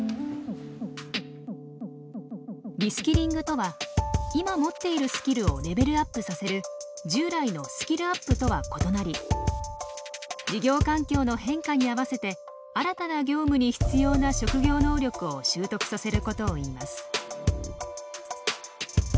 リスキリングとは今持っているスキルをレベルアップさせる従来のスキルアップとは異なり事業環境の変化に合わせて新たな業務に必要な職業能力を習得させることをいいます。